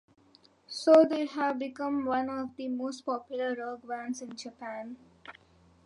So they've become one of the most popular rock bands in Japan.